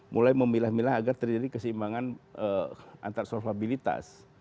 mulai memilah milah agar terjadi keseimbangan antar sofabilitas